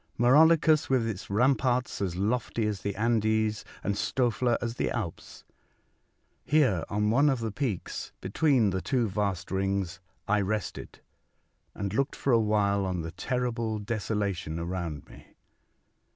Maurolycus with its ramparts as lofty as the Andes, and Stoefler as the Alps. Here, on one of the peaks between the two vast rings, I rested and looked for a while on the terrible desola 70 A Voyage to Other Worlds, tion around me.